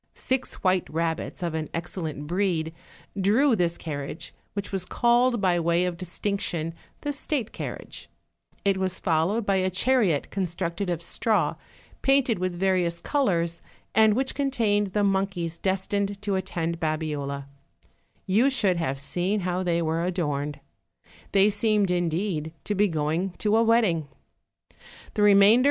Six white rabbits, of an excellent breed, drew this carriage, which was. called by way of dis tinction, the state carriage; it was followed by a chariot constructed of straw, painted with various colors, and which contained the monkeys destined to attend Babiola: you should have seen how they were adorned; they seemed indeed to be going to a wedding, The remainder OLD, OLD FAIRY TALES.